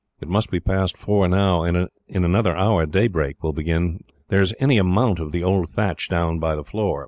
It must be past four now, and in another hour daylight will begin to break. "There is any amount of the old thatch down on the floor.